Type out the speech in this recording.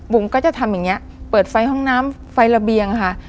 ก็จะทำอย่างนี้เปิดไฟห้องน้ำไฟระเบียงค่ะ